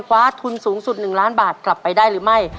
คว้าทุนสูงสุด๑ล้านบาทกลับไปได้หรือไม่